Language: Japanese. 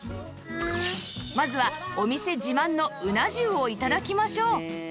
まずはお店自慢のうな重を頂きましょう！